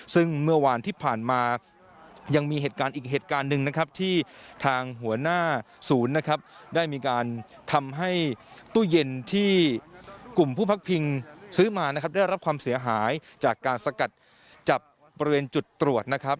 ซึ่งเมื่อวานที่ผ่านมายังมีเหตุการณ์อีกเหตุการณ์หนึ่งนะครับที่ทางหัวหน้าศูนย์นะครับได้มีการทำให้ตู้เย็นที่กลุ่มผู้พักพิงซื้อมานะครับได้รับความเสียหายจากการสกัดจับบริเวณจุดตรวจนะครับ